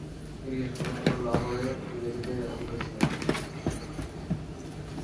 তিনি শেষ পর্যন্ত লাহোরে ফিরে যেতে রাজি হয়েছিলেন।